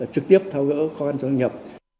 trực tiếp thao gỡ khó khăn cho doanh nghiệp